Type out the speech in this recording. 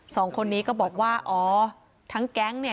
สองคนนี้ก็บอกว่าอ๋อทั้งแก๊งเนี่ย